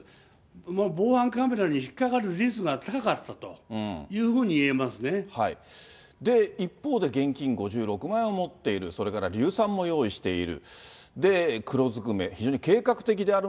もう防犯カメラに引っ掛かる率が高かったというふうに言えると思一方で現金５６万円を持っている、それから硫酸も用意している。